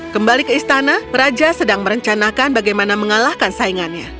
kembali ke istana raja sedang merencanakan bagaimana mengalahkan saingannya